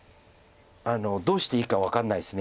どうしていいか分かんないです